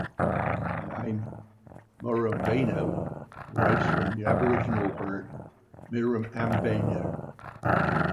The name "Murrumbeena" derives from the Aboriginal word "mirambeena".